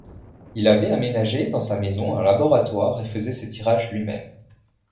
Il avait aménagé dans sa maison un laboratoire et faisait ses tirages lui-même.